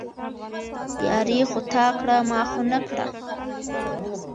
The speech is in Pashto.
ياري خو تا کړه، ما خو نه کړه